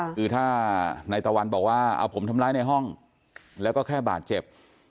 คือถ้านายตะวันบอกว่าเอาผมทำร้ายในห้องแล้วก็แค่บาดเจ็บ